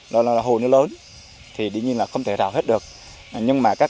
nó là hồ nước lớn thì đương nhiên là không thể rào hết được